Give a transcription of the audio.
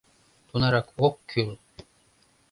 Тунарак ок кӱл!